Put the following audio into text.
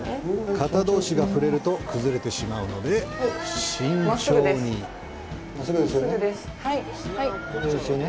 型どうしが触れると崩れてしまうので、慎重に。